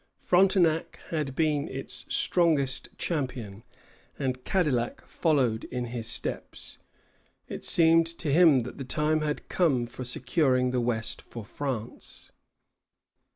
Frontenac had been its strongest champion, and Cadillac followed in his steps. It seemed to him that the time had come for securing the west for France.